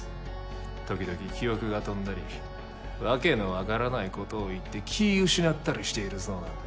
時々記憶が飛んだり訳の分からないことを言って気ぃ失ったりしているそうなんで。